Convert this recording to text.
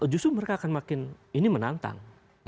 justru mereka akan makin ini menantang